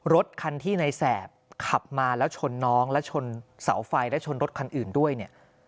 รถคันที่ในแสบขับมาแล้วชนน้องและชนเสาไฟและชนรถคันอื่นด้วยเนี่ย